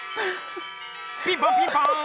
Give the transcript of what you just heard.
ピンポンピンポン！